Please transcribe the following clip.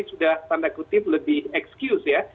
sudah tanda kutip lebih excuse ya